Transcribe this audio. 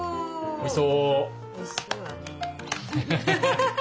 おいしそうだね。